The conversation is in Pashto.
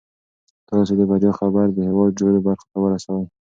تاسو د بریا خبر د هیواد ټولو برخو ته ورسوئ.